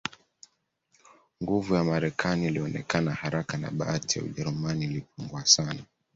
Nguvu ya Marekani ilionekana haraka na bahati ya Ujerumani ilipungua sana